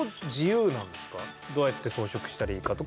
どうやって装飾したらいいかとかはもうお任せ。